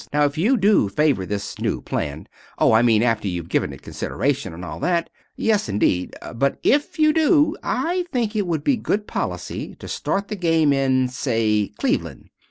Now, if you do favor this new plan oh, I mean after you've given it consideration, and all that! Yes, indeed. But if you do, I think it would be good policy to start the game in say Cleveland.